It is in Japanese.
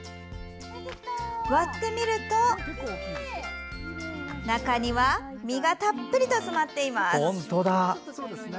割ってみると、中には実がたっぷりと詰まっています。